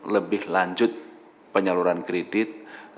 lebih lanjut penyaluran kredit